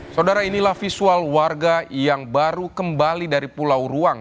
saudara inilah visual warga yang baru kembali dari pulau ruang